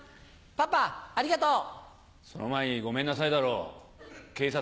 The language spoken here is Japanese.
パパありがとう。